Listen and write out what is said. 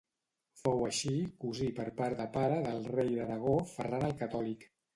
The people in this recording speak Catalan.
Fou així cosí per part de pare del rei d'Aragó Ferran el Catòlic.